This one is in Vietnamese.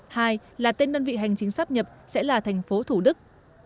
hai là tên đơn vị hành chính sắp nhập sẽ là thành phố thủ đức